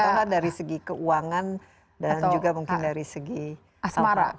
terutama dari segi keuangan dan juga mungkin dari segi sampah